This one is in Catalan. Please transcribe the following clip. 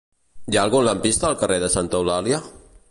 Hi ha algun lampista al carrer de Santa Eulàlia?